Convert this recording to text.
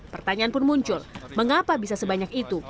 pertanyaan pun muncul mengapa bisa sebanyak itu